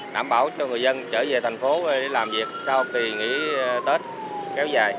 đảm bảo cho người dân trở về thành phố để làm việc sau kỳ nghỉ tết kéo dài